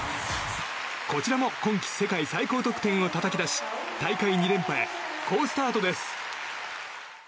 こちらも今季世界最高得点をたたき出し大会２連覇へ好スタートです。